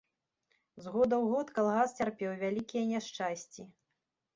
З года ў год калгас цярпеў вялікія няшчасці.